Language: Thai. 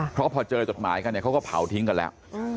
เพราะพอเจอจดหมายกันเนี่ยเขาก็เผาทิ้งกันแล้ว